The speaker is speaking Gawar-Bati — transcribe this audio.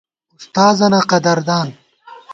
اُستاذَنہ قدردان